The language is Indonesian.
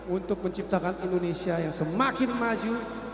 untuk menciptakan indonesia yang semakin maju